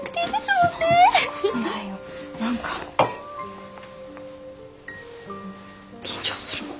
何か緊張するもん。